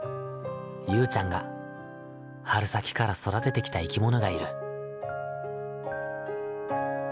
ゆうちゃんが春先から育ててきた生き物がいる。